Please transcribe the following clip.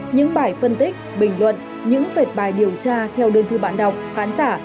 những bài phân tích bình luận những vệt bài điều tra theo đơn thư bạn đọc khán giả